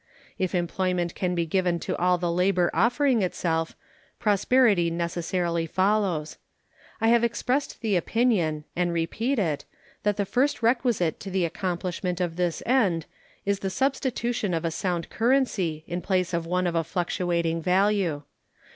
If employment can be given to all the labor offering itself, prosperity necessarily follows. I have expressed the opinion, and repeat it, that the first requisite to the accomplishment of this end is the substitution of a sound currency in place of one of a fluctuating value.